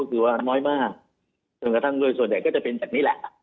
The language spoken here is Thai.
ซึ่งก็คือล่ะทั้งด้วยส่วนใหญ่ก็จะเป็นจากนี้แหละ